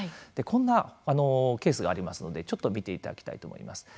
こんなケースがありますのでちょっと見ていただきたいと思います。